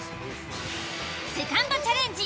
セカンドチャレンジ